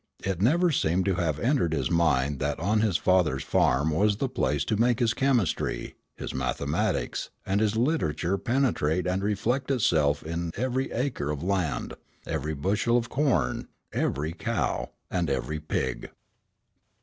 It never seemed to have entered his mind that on his father's farm was the place to make his chemistry, his mathematics, and his literature penetrate and reflect itself in every acre of land, every bushel of corn, every cow, and every pig.